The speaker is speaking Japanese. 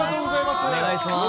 お願いします。